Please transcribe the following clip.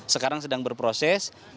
sekarang sedang berproses